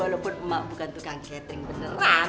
walaupun bukan tukang catering beneran